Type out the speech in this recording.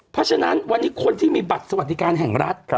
เพราะฉะนั้นวันนี้คนที่มีบัตรสวัสดิการแห่งรัฐ